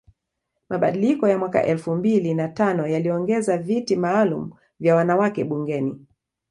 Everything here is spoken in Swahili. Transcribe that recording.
Mabadiliko ya mwaka elfu mbili na tano yaliongeza viti maalum vya wanawake bungeni